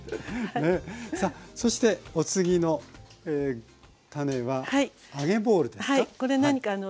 さあそしてお次の種は揚げボールですか。